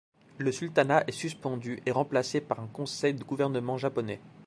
Le sultanat est suspendu et remplacé par un conseil de gouvernement japonais.